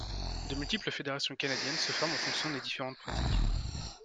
De multiples fédérations canadiennes se forment en fonction des différentes pratiques.